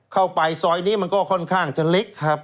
เข้าไปซอยนี้มันก็ค่อนข้างจะเล็กครับ